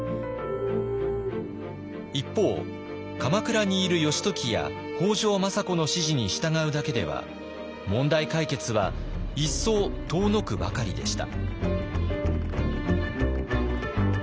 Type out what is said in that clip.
一方鎌倉にいる義時や北条政子の指示に従うだけでは問題解決は一層遠のくばかりでした。